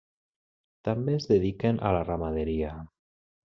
També es dediquen a la ramaderia.